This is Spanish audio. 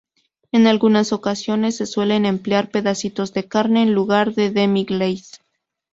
En algunas ocasiones se suele emplear pedacitos de carne en lugar del demi-glace.